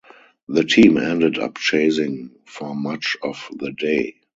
The team ended up chasing for much of the day.